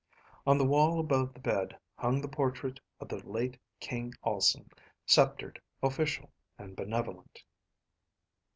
On the wall above the bed hung the portrait of the late King Alsen, sceptered, official, and benevolent.